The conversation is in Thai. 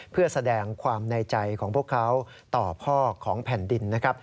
เพื่อแสดงความในใจของพวกเขาต่อพ่อของแผ่นดินนะครับ